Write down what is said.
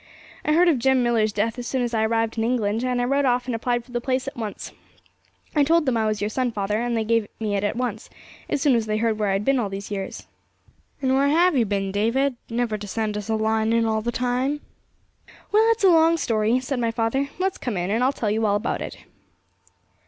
I heard of Jem Millar's death as soon as I arrived in England, and I wrote off and applied for the place at once. I told them I was your son, father, and they gave me it at once, as soon as they heard where I had been all these years.' 'And where have you been, David, never to send us a line all the time?' 'Well, it's a long story,' said my father; 'let's come in, and I'll tell you all about it.'